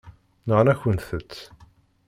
Nɣan-akent-tt.